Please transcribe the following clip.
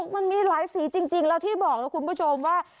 มันมีหลายสีจริงแล้วที่บอกนะคุณผู้ชมว่า